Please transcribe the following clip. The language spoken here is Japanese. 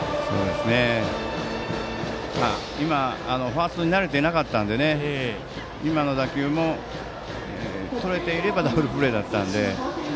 今、ファーストに慣れてなかったので今の打球もとれていればダブルプレーだったんで。